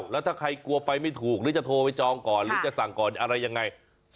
แล้วถ้าใครกลัวไปไม่ถูกหรือจะโทรไปจองก่อนหรือจะสั่งก่อนอะไรยังไง